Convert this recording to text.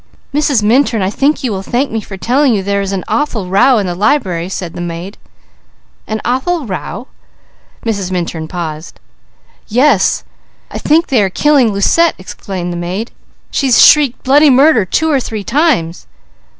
"Mrs. Minturn, I think you will thank me for telling you there is an awful row in the library," said the maid. "'An awful row?'" Mrs. Minturn paused. "Yes. I think they are killing Lucette," explained the maid. "She's shrieked bloody murder two or three times."